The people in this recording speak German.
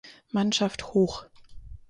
Mannschaft hoch.